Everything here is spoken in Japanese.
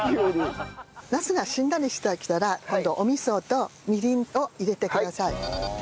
ナスがしんなりしてきたら今度はお味噌とみりんを入れてください。